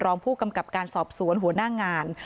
รองผู้กำกับการสอบสวนหัวหน้างาน